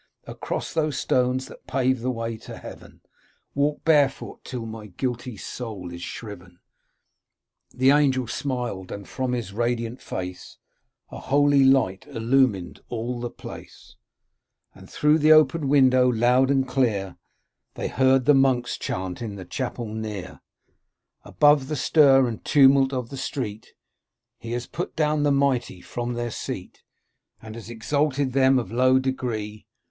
Across those stones that pave the way to heaven Walk barefoot, till my guilty soul is shriven !' The Angel smiled, and from his radiant face A holy light illumined all the place, And through the open window, loud and clear, They heard the monks chant in the chapel near. Above the stir and tumult of the street :' He has put down the mighty from their seat. And has exalted them of low degree